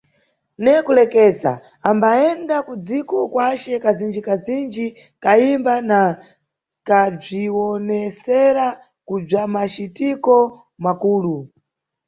Ne kulekeza, ambayenda kudziko kwace kazindjikazindji kayimba na kabzwiwonesera kubzwamacitiko makulu.